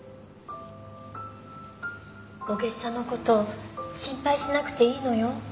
お月謝のこと心配しなくていいのよ。